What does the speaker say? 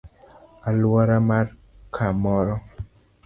Aluora mar kamoro;